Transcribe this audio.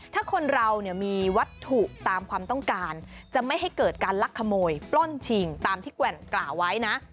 ถ้าคนเราเนี่ยมีวัตถุตามความต้องการจะไม่ให้เกิดการลักขโมยปล้นชิงตามที่แกว่นกล่าวไว้นะ